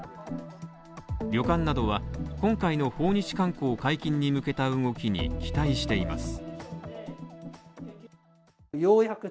旅館などは今回の訪日観光解禁に向けた動きに期待しています。